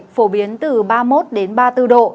phổ biến từ ba mươi một đến ba mươi bốn độ